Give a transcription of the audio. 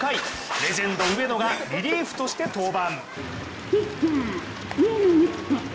レジェンド・上野がリリーフとして登板。